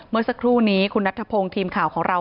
เมื่อสักครู่นี้คุณนัทธพงศ์ทีมข่าวของเรา